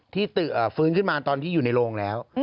ฟื้นขึ้นมาตอนที่อยู่ในโรงแล้ว